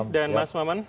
dan mas maman